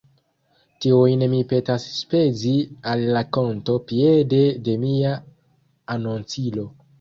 Tiujn mi petas spezi al la konto piede de mia anoncilo.